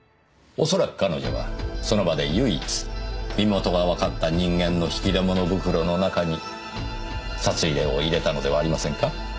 恐らく彼女はその場で唯一身元がわかった人間の引き出物袋の中に札入れを入れたのではありませんか？